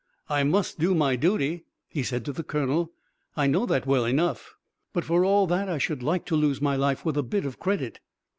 "I must do my duty," he said to the colonel. "I know that well enough; but for all that I should like to lose my life with a bit of credit."